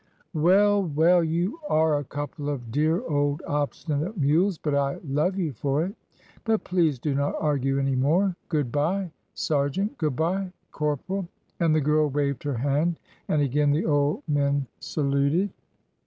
"Well, well, you are a couple of dear old obstinate mules, but I love you for it; but please do not argue any more. Good bye, Sergeant. Good bye, Corporal," and the girl waved her hand, and again the old men saluted.